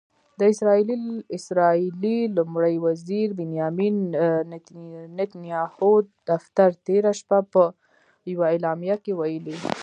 د اسرائیلي لومړي وزیر بنیامن نتنیاهو دفتر تېره شپه په یوه اعلامیه کې ویلي